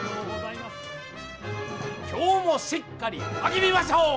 今日もしっかり励みましょう！